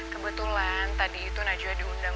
kebetulan tadi itu najwa diundang